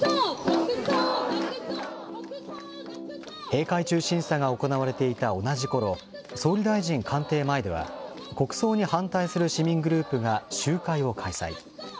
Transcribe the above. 閉会中審査が行われていた同じころ、総理大臣官邸前では、国葬に反対する市民グループが集会を開催。